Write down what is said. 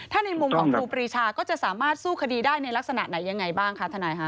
ถ้าในมุมของครูปรีชาก็จะสามารถสู้คดีได้ในลักษณะไหนยังไงบ้างคะทนายคะ